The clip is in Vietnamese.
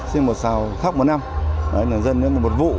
trên một xào khác một năm